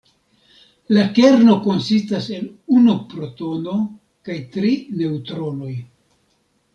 La kerno konsistas el unu protono kaj tri neŭtronoj.